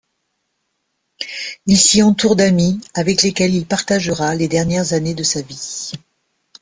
Il s'y entoure d'amis avec lesquels il partagera les dernières années de sa vie.